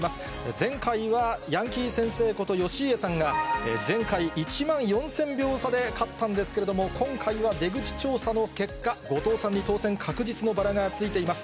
前回はヤンキー先生こと義家さんが前回、１万４０００票差で勝ったんですけれども、今回は出口調査の結果、後藤さんに当選確実のバラがついています。